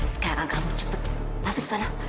sekarang kamu cepet masuk sholah